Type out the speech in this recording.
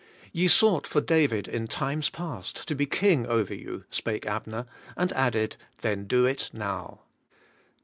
'Ye sought for David in times past to be king over you,' spake Abner, and added, 'Then do it now.'